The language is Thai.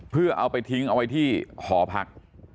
เพื่อเอาไปทิ้งเอาไว้ที่หอพัก